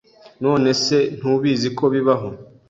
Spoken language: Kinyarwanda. None se ntubizi ko bibaho